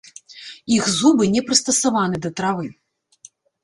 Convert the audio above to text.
Іх зубы не прыстасаваны да травы.